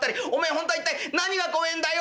本当は一体何が怖えんだよ！」。